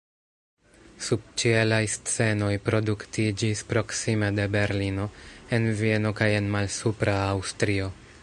Subĉielaj scenoj produktiĝis proksime de Berlino, en Vieno kaj en Malsupra Aŭstrio.